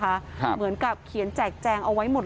เหมือนกับเขียนแจกแจงเอาไว้หมด